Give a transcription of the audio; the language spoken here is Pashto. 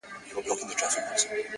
• هغه چنار ته د مرغیو ځالګۍ نه راځي,